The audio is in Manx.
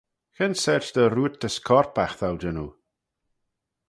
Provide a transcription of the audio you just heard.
Cre'n sorçh dy roortys corpagh t'ou jannoo?